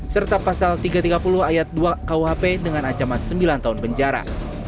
serta pasal tiga ratus tiga puluh ayat dua kuhp dengan ancaman sembilan tahun penjara